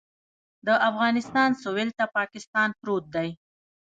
د افغانستان سویل ته پاکستان پروت دی